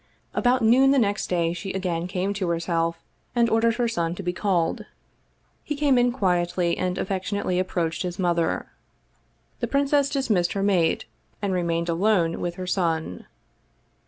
About noon the next day she again came to herself, and ordered her son to be called. He came in quietly, and affectionately approached his mother. The princess dismissed her maid, and remained alone with her son.